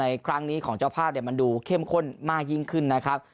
ในครั้งนี้ของเจ้าภาพมันดูเข้มข้นมากยิ่งขึ้นนะครับ